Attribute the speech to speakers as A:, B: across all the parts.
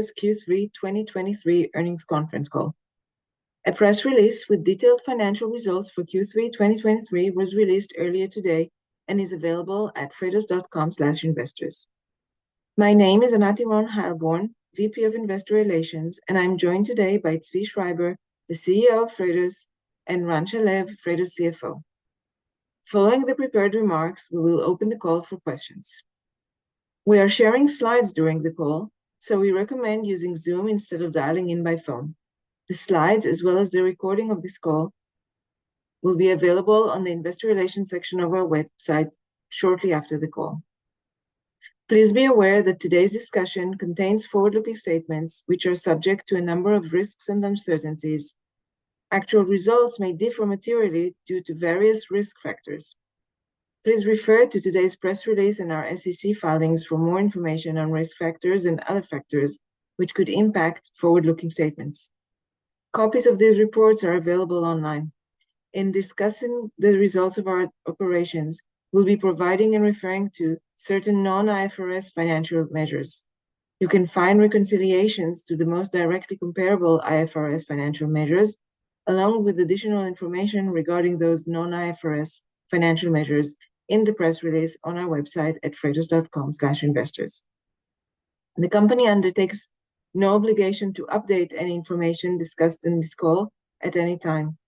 A: Q3 2023 earnings conference call. A press release with detailed financial results for Q3 2023 was released earlier today and is available at freightos.com/investors. My name is Anat Earon-Heilborn, VP of Investor Relations, and I'm joined today by Zvi Schreiber, the CEO of Freightos, and Ran Shalev, Freightos' CFO. Following the prepared remarks, we will open the call for questions. We are sharing slides during the call, so we recommend using Zoom instead of dialing in by phone. The slides, as well as the recording of this call, will be available on the Investor Relations section of our website shortly after the call. Please be aware that today's discussion contains forward-looking statements which are subject to a number of risks and uncertainties. Actual results may differ materially due to various risk factors. Please refer to today's press release and our SEC filings for more information on risk factors and other factors which could impact forward-looking statements. Copies of these reports are available online. In discussing the results of our operations, we'll be providing and referring to certain non-IFRS financial measures. You can find reconciliations to the most directly comparable IFRS financial measures, along with additional information regarding those non-IFRS financial measures in the press release on our website at freightos.com/investors. The company undertakes no obligation to update any information discussed in this call at any time.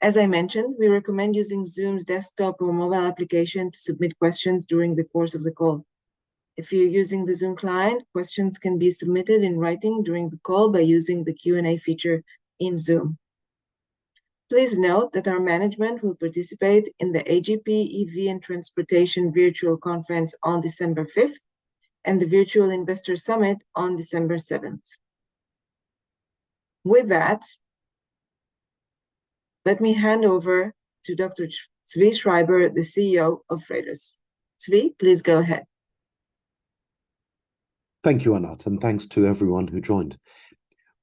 A: As I mentioned, we recommend using Zoom's desktop or mobile application to submit questions during the course of the call. If you're using the Zoom client, questions can be submitted in writing during the call by using the Q&A feature in Zoom. Please note that our management will participate in the A.G.P. EV and Transportation Virtual Conference on December 5th, and the Virtual Investor Summit on December seventh. With that, let me hand over to Dr. Zvi Schreiber, the CEO of Freightos. Zvi, please go ahead.
B: Thank you, Anat, and thanks to everyone who joined.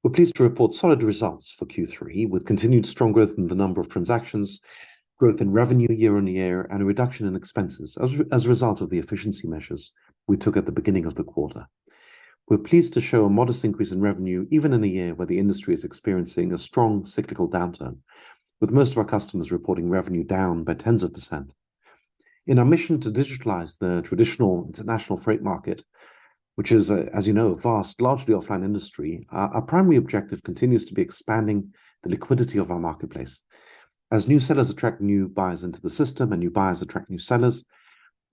B: We're pleased to report solid results for Q3, with continued strong growth in the number of transactions, growth in revenue year-over-year, and a reduction in expenses as a result of the efficiency measures we took at the beginning of the quarter. We're pleased to show a modest increase in revenue, even in a year where the industry is experiencing a strong cyclical downturn, with most of our customers reporting revenue down by tens of %. In our mission to digitalize the traditional international freight market, which is, as you know, a vast, largely offline industry, our primary objective continues to be expanding the liquidity of our marketplace. As new sellers attract new buyers into the system and new buyers attract new sellers,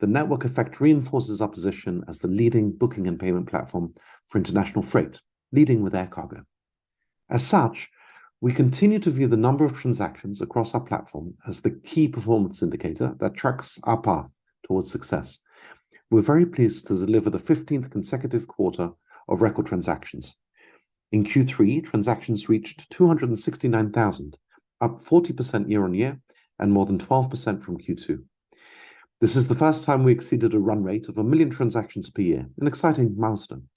B: the network effect reinforces our position as the leading booking and payment platform for international freight, leading with air cargo. As such, we continue to view the number of transactions across our platform as the key performance indicator that tracks our path towards success. We're very pleased to deliver the 15th consecutive quarter of record transactions. In Q3, transactions reached 269,000, up 40% year-on-year and more than 12% from Q2. This is the first time we exceeded a run rate of 1 million transactions per year, an exciting milestone.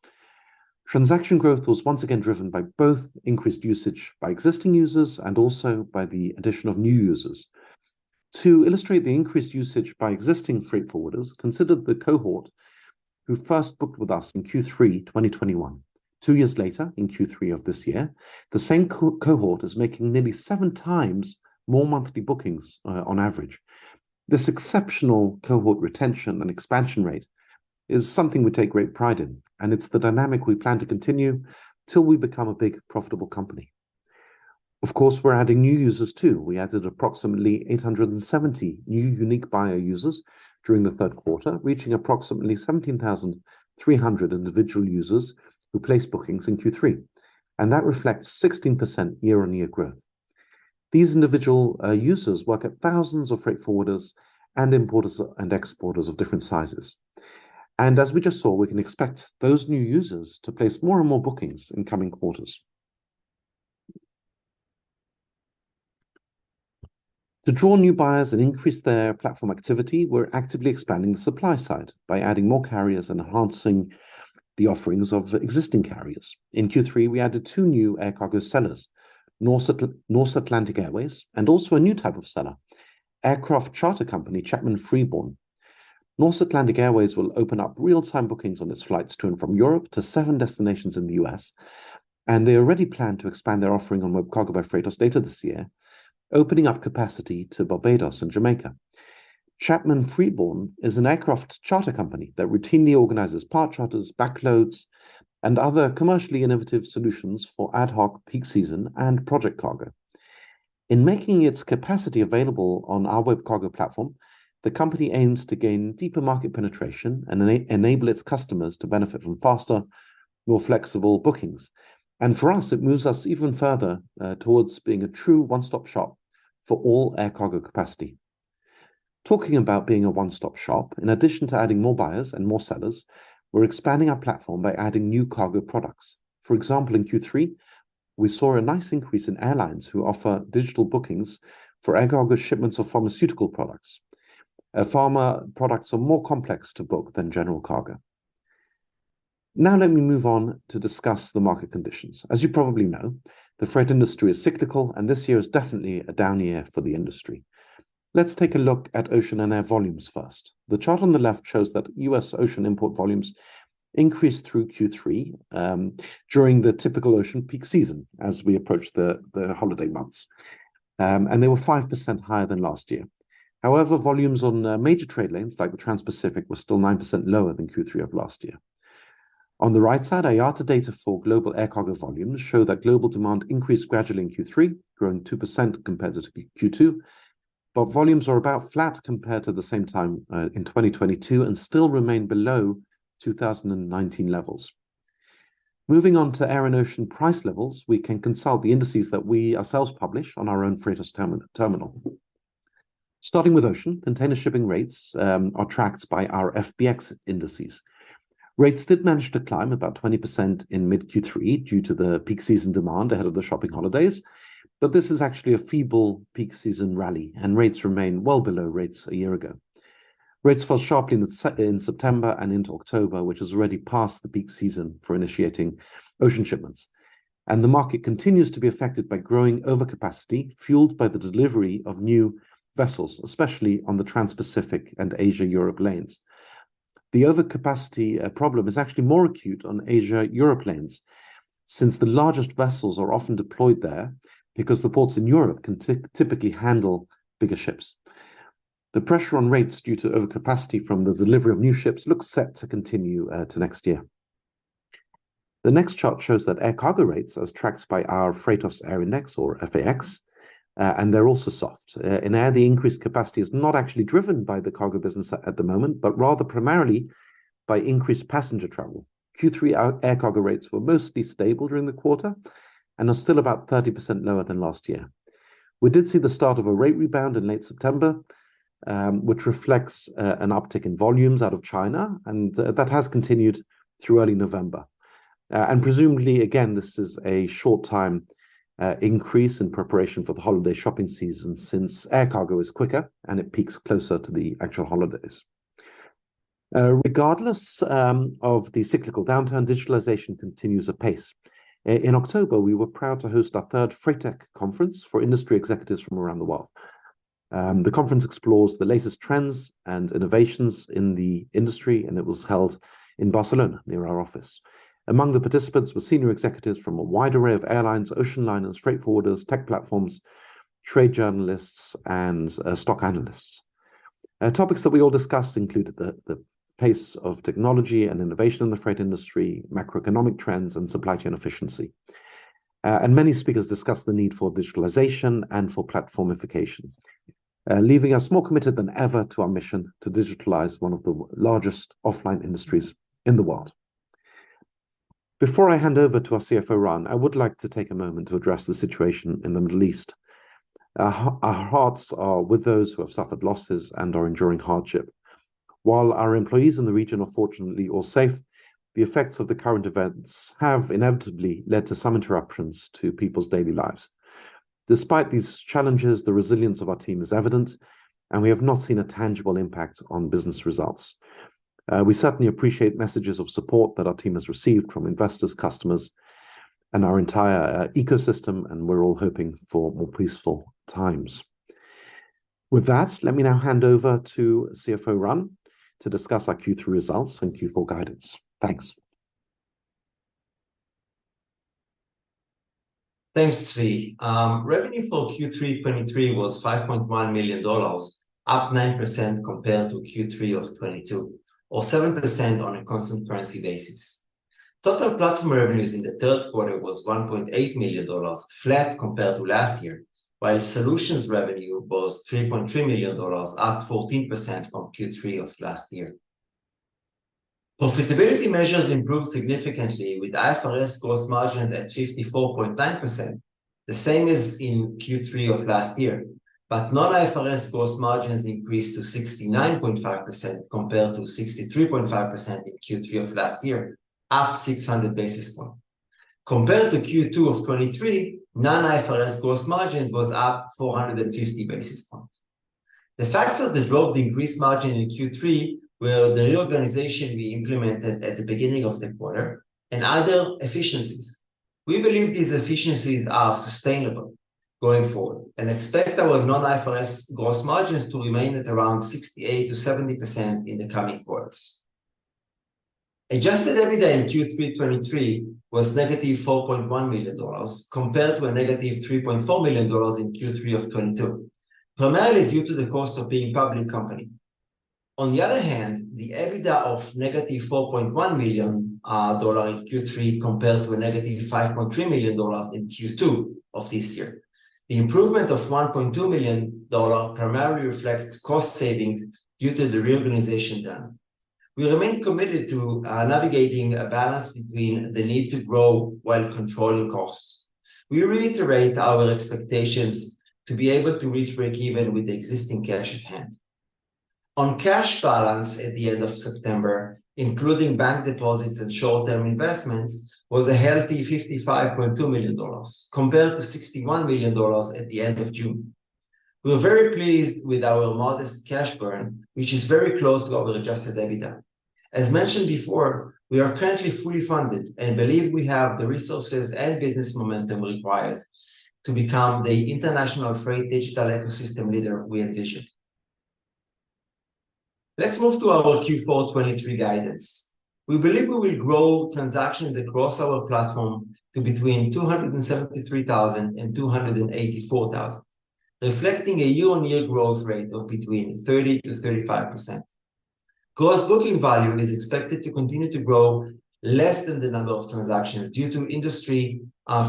B: Transaction growth was once again driven by both increased usage by existing users and also by the addition of new users. To illustrate the increased usage by existing freight forwarders, consider the cohort who first booked with us in Q3 2021. Two years later, in Q3 of this year, the same cohort is making nearly 7x more monthly bookings on average. This exceptional cohort retention and expansion rate is something we take great pride in, and it's the dynamic we plan to continue till we become a big, profitable company. Of course, we're adding new users, too. We added approximately 870 new unique buyer users during the third quarter, reaching approximately 17,300 individual users who placed bookings in Q3, and that reflects 16% year-on-year growth. These individual users work at thousands of freight forwarders and importers and exporters of different sizes. As we just saw, we can expect those new users to place more and more bookings in coming quarters. To draw new buyers and increase their platform activity, we're actively expanding the supply side by adding more carriers and enhancing the offerings of existing carriers. In Q3, we added two new air cargo sellers, Norse Atlantic Airways, and also a new type of seller, aircraft charter company, Chapman Freeborn. Norse Atlantic Airways will open up real-time bookings on its flights to and from Europe to seven destinations in the U.S., and they already plan to expand their offering on WebCargo by Freightos later this year, opening up capacity to Barbados and Jamaica. Chapman Freeborn is an aircraft charter company that routinely organizes part charters, back loads, and other commercially innovative solutions for ad hoc peak season and project cargo. In making its capacity available on our WebCargo platform, the company aims to gain deeper market penetration and enable its customers to benefit from faster, more flexible bookings. For us, it moves us even further towards being a true one-stop shop for all air cargo capacity. Talking about being a one-stop shop, in addition to adding more buyers and more sellers, we're expanding our platform by adding new cargo products. For example, in Q3, we saw a nice increase in airlines who offer digital bookings for air cargo shipments of pharmaceutical products. Pharma products are more complex to book than general cargo. Now, let me move on to discuss the market conditions. As you probably know, the freight industry is cyclical, and this year is definitely a down year for the industry... Let's take a look at ocean and air volumes first. The chart on the left shows that U.S. ocean import volumes increased through Q3 during the typical ocean peak season, as we approach the holiday months. And they were 5% higher than last year. However, volumes on major trade lanes, like the Transpacific, were still 9% lower than Q3 of last year. On the right side, IATA data for global air cargo volumes show that global demand increased gradually in Q3, growing 2% compared to Q2, but volumes are about flat compared to the same time in 2022, and still remain below 2019 levels. Moving on to air and ocean price levels, we can consult the indices that we ourselves publish on our own Freightos Terminal. Starting with ocean container shipping rates are tracked by our FBX indices. Rates did manage to climb about 20% in mid Q3, due to the peak season demand ahead of the shopping holidays, but this is actually a feeble peak season rally, and rates remain well below rates a year ago. Rates fell sharply in September and into October, which is already past the peak season for initiating ocean shipments, and the market continues to be affected by growing overcapacity, fueled by the delivery of new vessels, especially on the Transpacific and Asia-Europe lanes. The overcapacity problem is actually more acute on Asia-Europe lanes, since the largest vessels are often deployed there, because the ports in Europe can typically handle bigger ships. The pressure on rates due to overcapacity from the delivery of new ships looks set to continue to next year. The next chart shows that air cargo rates, as tracked by our Freightos Air Index, or FAX, and they're also soft. In air, the increased capacity is not actually driven by the cargo business at the moment, but rather primarily by increased passenger travel. Q3 air cargo rates were mostly stable during the quarter and are still about 30% lower than last year. We did see the start of a rate rebound in late September, which reflects an uptick in volumes out of China, and that has continued through early November. And presumably, again, this is a short time increase in preparation for the holiday shopping season, since air cargo is quicker, and it peaks closer to the actual holidays. Regardless of the cyclical downturn, digitalization continues apace. In October, we were proud to host our third FreightTech conference for industry executives from around the world. The conference explores the latest trends and innovations in the industry, and it was held in Barcelona, near our office. Among the participants were senior executives from a wide array of airlines, ocean lines, freight forwarders, tech platforms, trade journalists, and stock analysts. Topics that we all discussed included the pace of technology and innovation in the freight industry, macroeconomic trends, and supply chain efficiency. And many speakers discussed the need for digitalization and for platformification, leaving us more committed than ever to our mission to digitalize one of the largest offline industries in the world. Before I hand over to our CFO, Ran, I would like to take a moment to address the situation in the Middle East. Our hearts are with those who have suffered losses and are enduring hardship. While our employees in the region are fortunately all safe, the effects of the current events have inevitably led to some interruptions to people's daily lives. Despite these challenges, the resilience of our team is evident, and we have not seen a tangible impact on business results. We certainly appreciate messages of support that our team has received from investors, customers, and our entire ecosystem, and we're all hoping for more peaceful times. With that, let me now hand over to CFO Ran to discuss our Q3 results and Q4 guidance. Thanks.
C: Thanks, Zvi. Revenue for Q3 2023 was $5.1 million, up 9% compared to Q3 of 2022, or 7% on a constant currency basis. Total platform revenues in the third quarter was $1.8 million, flat compared to last year, while solutions revenue was $3.3 million, up 14% from Q3 of last year. Profitability measures improved significantly with IFRS gross margins at 54.9%, the same as in Q3 of last year. But non-IFRS gross margins increased to 69.5%, compared to 63.5% in Q3 of last year, up 600 basis points. Compared to Q2 of 2023, non-IFRS gross margins was up 450 basis points. The factors that drove the increased margin in Q3 were the reorganization we implemented at the beginning of the quarter and other efficiencies. We believe these efficiencies are sustainable going forward and expect our non-IFRS gross margins to remain at around 68%-70% in the coming quarters. Adjusted EBITDA in Q3 2023 was -$4.1 million, compared to -$3.4 million in Q3 2022, primarily due to the cost of being a public company. On the other hand, the EBITDA of -$4.1 million in Q3, compared to -$5.3 million in Q2 of this year. The improvement of $1.2 million primarily reflects cost savings due to the reorganization done. We remain committed to navigating a balance between the need to grow while controlling costs. We reiterate our expectations to be able to reach break even with the existing cash at hand. On cash balance at the end of September, including bank deposits and short-term investments, was a healthy $55.2 million, compared to $61 million at the end of June. We are very pleased with our modest cash burn, which is very close to our Adjusted EBITDA. As mentioned before, we are currently fully funded and believe we have the resources and business momentum required to become the international freight digital ecosystem leader we envision. Let's move to our Q4 2023 guidance. We believe we will grow transactions across our platform to between 273,000 and 284,000, reflecting a year-on-year growth rate of between 30%-35%. Gross booking volume is expected to continue to grow less than the number of transactions due to industry,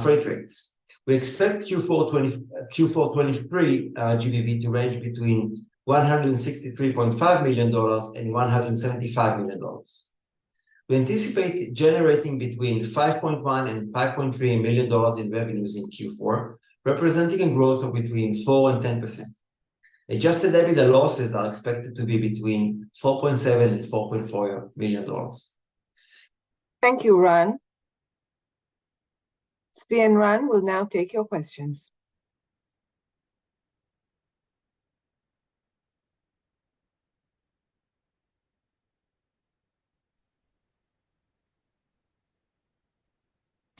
C: freight rates. We expect Q4 2023 GBV to range between $163.5 million and $175 million. We anticipate generating between $5.1 million and $5.3 million in revenues in Q4, representing a growth of between 4% and 10%. Adjusted EBITDA losses are expected to be between $4.7 million and $4.4 million.
A: Thank you, Ran. Zvi and Ran will now take your questions.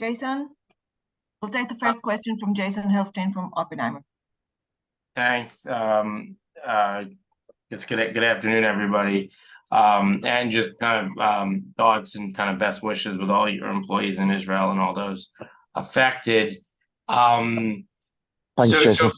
A: Jason? We'll take the first question from Jason Helfstein from Oppenheimer.
D: Thanks. Good afternoon, everybody. And just kind of thoughts and kind of best wishes with all your employees in Israel and all those affected.
B: Thanks, Jason.
D: So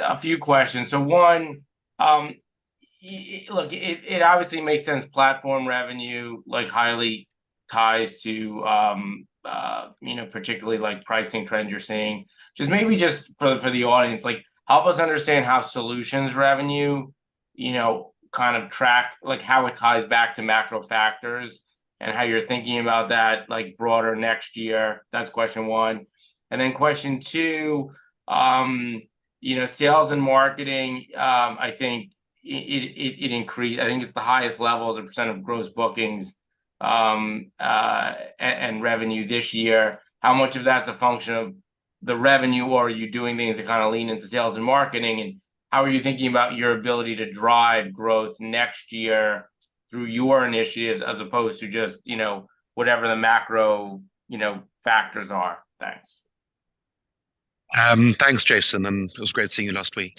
D: a few questions. So one, look, it obviously makes sense. Platform revenue, like, highly ties to, you know, particularly, like, pricing trends you're seeing. Just maybe just for the audience, like, help us understand how solutions revenue, you know, kind of tracks—like, how it ties back to macro factors, and how you're thinking about that, like, broader next year. That's question one. And then question two, you know, sales and marketing, I think it increased. I think it's the highest levels of percent of gross bookings and revenue this year. How much of that is a function of the revenue, or are you doing things to kind of lean into sales and marketing? How are you thinking about your ability to drive growth next year through your initiatives as opposed to just, you know, whatever the macro, you know, factors are? Thanks.
B: Thanks, Jason, and it was great seeing you last week.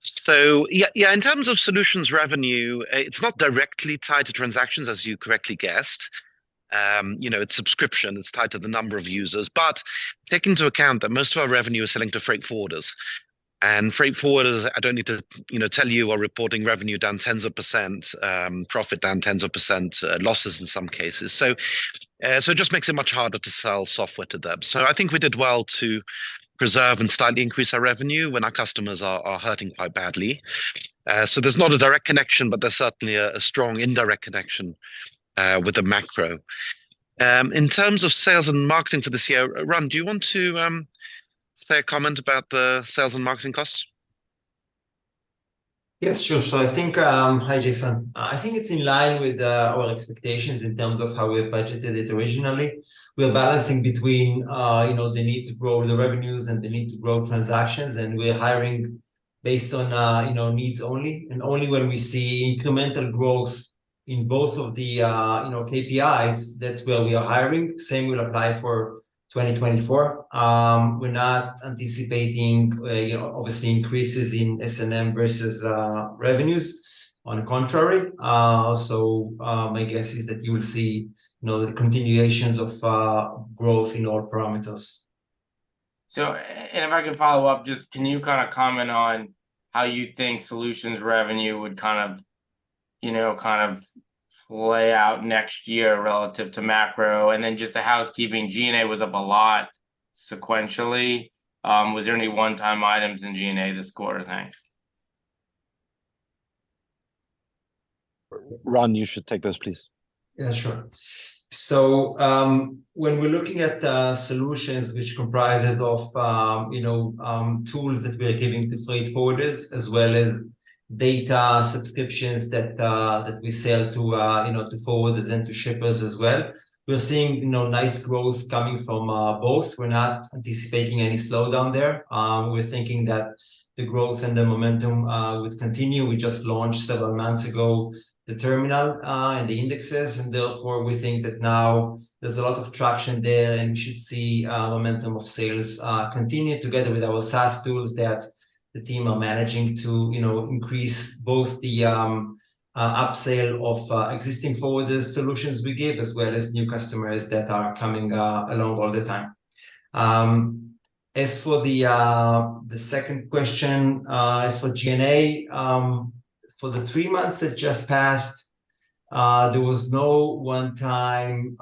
B: So yeah, yeah, in terms of solutions revenue, it's not directly tied to transactions, as you correctly guessed. You know, it's subscription, it's tied to the number of users. But take into account that most of our revenue is selling to freight forwarders, and freight forwarders, I don't need to, you know, tell you, are reporting revenue down tens of %, profit down tens of %, losses in some cases. So, so it just makes it much harder to sell software to them. So I think we did well to preserve and slightly increase our revenue when our customers are hurting quite badly. So there's not a direct connection, but there's certainly a strong indirect connection with the macro. In terms of sales and marketing for this year, Ran, do you want to say a comment about the sales and marketing costs?
C: Yes, sure. So I think... Hi, Jason. I think it's in line with our expectations in terms of how we've budgeted it originally. We are balancing between, you know, the need to grow the revenues and the need to grow transactions, and we are hiring based on, you know, needs only. And only when we see incremental growth in both of the, you know, KPIs, that's where we are hiring. Same will apply for 2024. We're not anticipating, you know, obviously increases in S&M versus revenues. On the contrary, so my guess is that you will see, you know, the continuations of growth in all parameters.
D: So, and if I could follow up, just can you kind of comment on how you think solutions revenue would kind of, you know, kind of play out next year relative to macro? And then just a housekeeping, G&A was up a lot sequentially. Was there any one-time items in G&A this quarter? Thanks.
B: Ran, you should take those, please.
C: Yeah, sure. So, when we're looking at solutions, which comprises of, you know, tools that we are giving to freight forwarders, as well as data subscriptions that we sell to, you know, to forwarders and to shippers as well, we're seeing, you know, nice growth coming from both. We're not anticipating any slowdown there. We're thinking that the growth and the momentum would continue. We just launched several months ago, the terminal and the indexes, and therefore, we think that now there's a lot of traction there, and we should see momentum of sales continue together with our SaaS tools that the team are managing to, you know, increase both the upsale of existing forwarders solutions we give, as well as new customers that are coming along all the time. As for the second question, as for G&A, for the three months that just passed, there was no one-time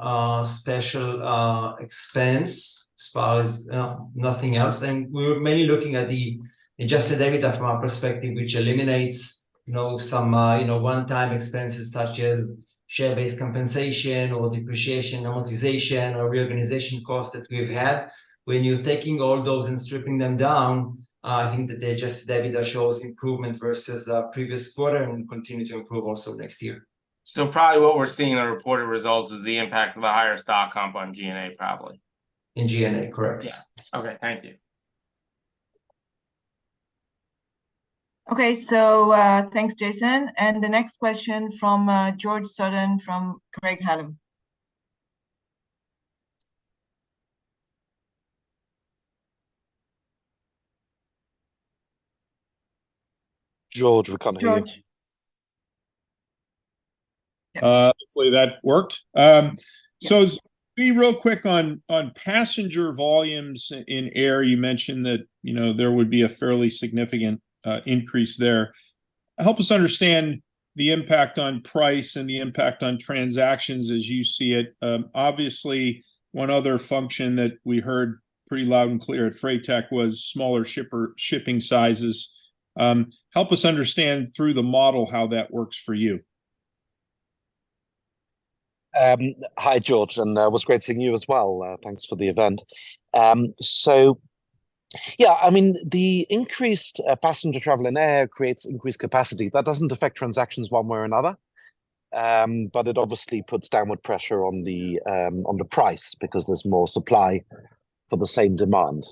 C: special expense, as far as nothing else. We were mainly looking at the Adjusted EBITDA from our perspective, which eliminates, you know, some, you know, one-time expenses such as share-based compensation or depreciation, amortization, or reorganization costs that we've had. When you're taking all those and stripping them down, I think the Adjusted EBITDA shows improvement versus previous quarter and continue to improve also next year.
D: Probably what we're seeing in our reported results is the impact of the higher stock comp on G&A, probably?
C: In G&A, correct.
D: Yeah. Okay, thank you. ...
A: Okay, so, thanks, Jason. The next question from George Sutton from Craig-Hallum.
B: George, we can't hear you.
A: George.
E: Hopefully that worked. So be real quick on passenger volumes in air. You mentioned that, you know, there would be a fairly significant increase there. Help us understand the impact on price and the impact on transactions as you see it. Obviously, one other function that we heard pretty loud and clear at FreightTech was smaller shipper shipping sizes. Help us understand through the model how that works for you.
B: Hi, George, and it was great seeing you as well. Thanks for the event. So yeah, I mean, the increased passenger travel in air creates increased capacity. That doesn't affect transactions one way or another, but it obviously puts downward pressure on the price because there's more supply for the same demand.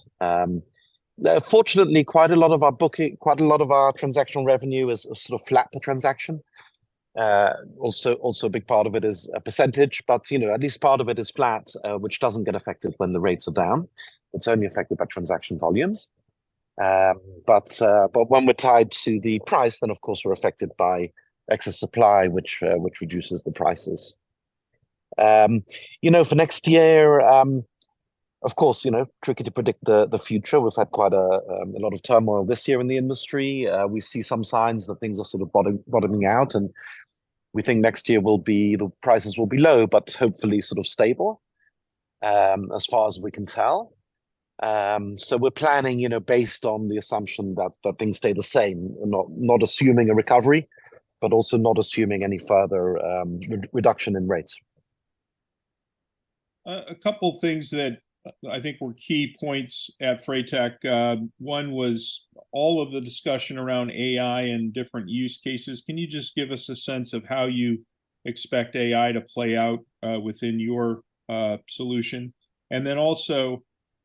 B: Fortunately, quite a lot of our booking, quite a lot of our transactional revenue is sort of flat per transaction. Also, a big part of it is a percentage, but you know, at least part of it is flat, which doesn't get affected when the rates are down. It's only affected by transaction volumes. But when we're tied to the price, then, of course, we're affected by excess supply, which reduces the prices. You know, for next year, of course, you know, tricky to predict the future. We've had quite a lot of turmoil this year in the industry. We see some signs that things are sort of bottoming out, and we think next year will be. The prices will be low, but hopefully sort of stable, as far as we can tell. So we're planning, you know, based on the assumption that things stay the same, not assuming a recovery, but also not assuming any further reduction in rates.
E: A couple of things that I think were key points at FreightTech. One was all of the discussion around AI and different use cases. Can you just give us a sense of how you expect AI to play out within your solution?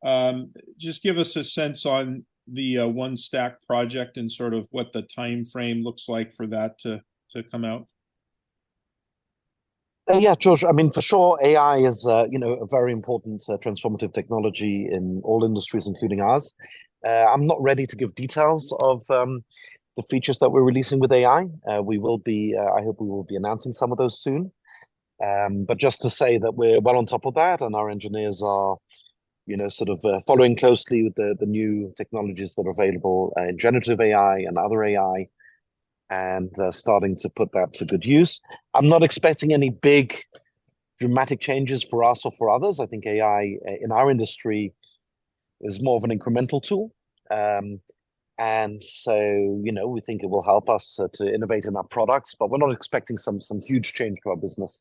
E: And then also, just give us a sense on the OneStack project and sort of what the timeframe looks like for that to come out.
B: Yeah, George. I mean, for sure, AI is, you know, a very important, transformative technology in all industries, including ours. I'm not ready to give details of the features that we're releasing with AI. We will be, I hope we will be announcing some of those soon. But just to say that we're well on top of that, and our engineers are, you know, sort of, following closely with the new technologies that are available in generative AI and other AI, and starting to put that to good use. I'm not expecting any big, dramatic changes for us or for others. I think AI in our industry is more of an incremental tool. And so, you know, we think it will help us to innovate in our products, but we're not expecting some, some huge change to our business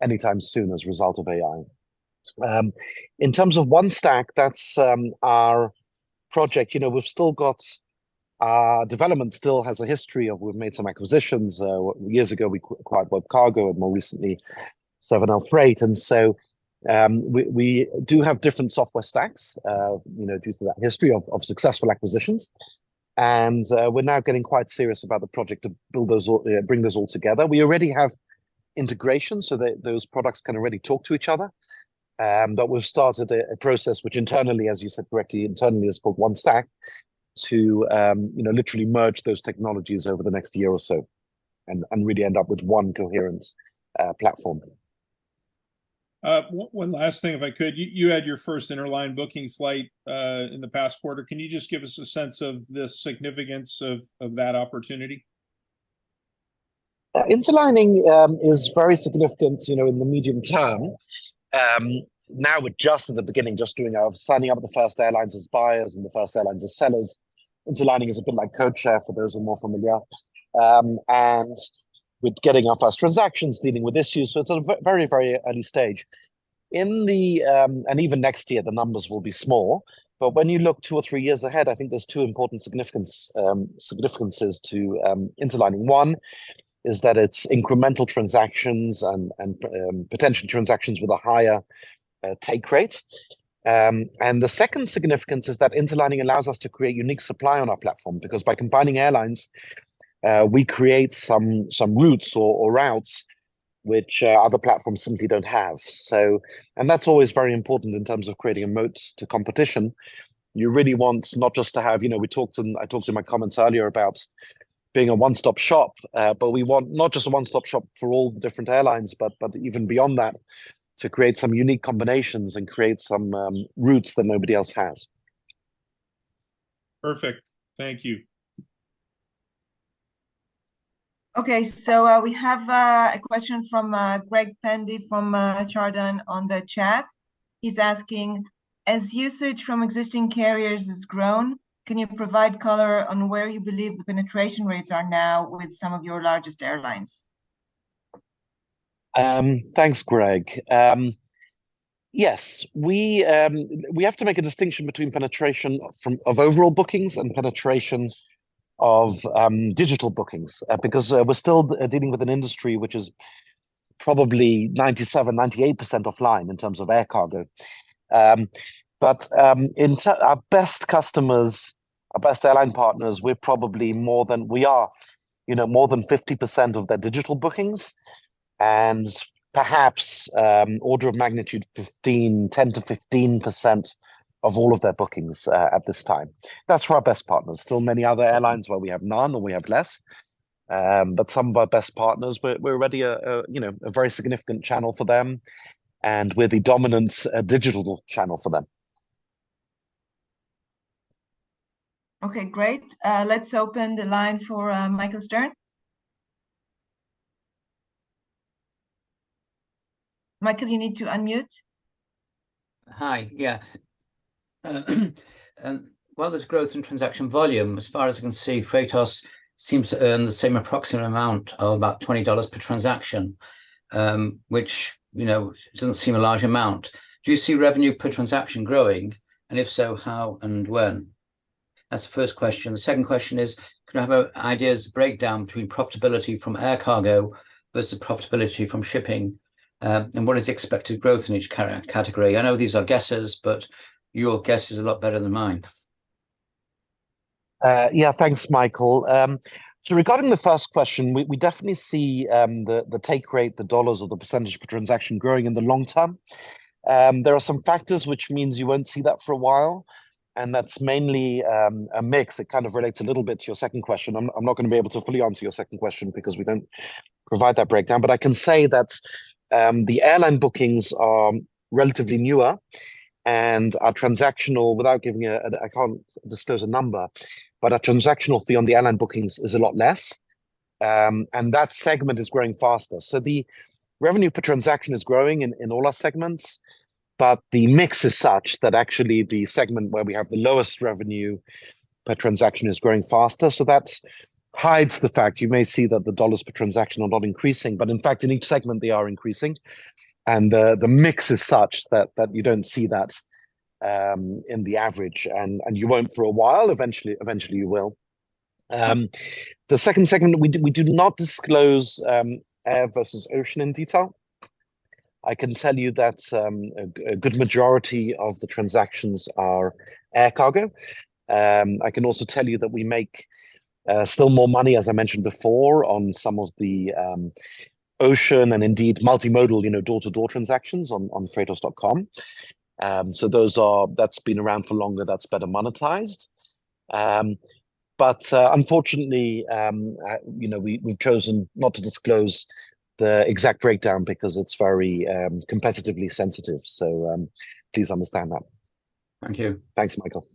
B: anytime soon as a result of AI. In terms of OneStack, that's our project. You know, we've still got development still has a history of we've made some acquisitions. Years ago, we acquired WebCargo and more recently, 7L Freight. And so, we do have different software stacks, you know, due to that history of successful acquisitions. And, we're now getting quite serious about the project to build those all, bring those all together. We already have integration so that those products can already talk to each other. But we've started a process which internally, as you said correctly, internally is called OneStack, to you know, literally merge those technologies over the next year or so and really end up with one coherent platform.
E: One last thing, if I could. You had your first interline booking flight in the past quarter. Can you just give us a sense of the significance of that opportunity?
B: Interlining is very significant, you know, in the medium term. Now we're just at the beginning, just doing our signing up the first airlines as buyers and the first airlines as sellers. Interlining is a bit like code share for those who are more familiar. And we're getting our first transactions, dealing with issues, so it's at a very, very early stage. In the and even next year, the numbers will be small, but when you look two or three years ahead, I think there's two important significance, significances to interlining. One, is that it's incremental transactions and, and potential transactions with a higher take rate. And the second significance is that interlining allows us to create unique supply on our platform, because by combining airlines, we create some routes which other platforms simply don't have. So, and that's always very important in terms of creating a moat to competition. You really want not just to have, you know, we talked in, I talked in my comments earlier about being a one-stop shop, but we want not just a one-stop shop for all the different airlines, but even beyond that, to create some unique combinations and create some routes that nobody else has.
E: Perfect. Thank you.
A: Okay, so, we have a question from Greg Pendy from Chardan on the chat. He's asking: "As usage from existing carriers has grown, can you provide color on where you believe the penetration rates are now with some of your largest airlines?
B: Thanks, Greg. Yes, we have to make a distinction between penetration of overall bookings and penetration of digital bookings, because we're still dealing with an industry which is probably 97%-98% offline in terms of air cargo. But our best customers, our best airline partners, we're more than 50% of their digital bookings, you know. And perhaps order of magnitude 10%-15% of all of their bookings at this time. That's for our best partners. Still many other airlines where we have none or we have less. But some of our best partners, we're already a you know, very significant channel for them, and we're the dominant digital channel for them.
A: Okay, great. Let's open the line for Michael Stern. Michael, you need to unmute.
F: Hi. Yeah. While there's growth in transaction volume, as far as I can see, Freightos seems to earn the same approximate amount of about $20 per transaction, which, you know, doesn't seem a large amount. Do you see revenue per transaction growing, and if so, how and when? That's the first question. The second question is: could I have an ideas breakdown between profitability from air cargo versus profitability from shipping, and what is the expected growth in each category? I know these are guesses, but your guess is a lot better than mine.
B: Yeah. Thanks, Michael. So regarding the first question, we definitely see the take rate, the dollars or the percentage per transaction growing in the long term. There are some factors which means you won't see that for a while, and that's mainly a mix. It kind of relates a little bit to your second question. I'm not gonna be able to fully answer your second question, because we don't provide that breakdown. But I can say that the airline bookings are relatively newer and are transactional without giving a... I can't disclose a number, but our transactional fee on the airline bookings is a lot less, and that segment is growing faster. So the revenue per transaction is growing in all our segments, but the mix is such that actually the segment where we have the lowest revenue per transaction is growing faster, so that hides the fact. You may see that the dollars per transaction are not increasing, but in fact, in each segment, they are increasing. And the mix is such that you don't see that in the average, and you won't for a while. Eventually you will. The second segment, we do not disclose air versus ocean in detail. I can tell you that a good majority of the transactions are air cargo. I can also tell you that we make still more money, as I mentioned before, on some of the ocean and indeed multimodal, you know, door-to-door transactions on Freightos.com. So those are. That's been around for longer. That's better monetized. But unfortunately, you know, we, we've chosen not to disclose the exact breakdown because it's very competitively sensitive, so please understand that.
F: Thank you.
B: Thanks, Michael.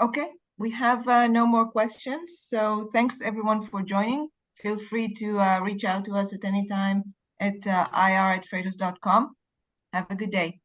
A: Okay. We have no more questions, so thanks everyone for joining. Feel free to reach out to us at any time at ir@freightos.com. Have a good day!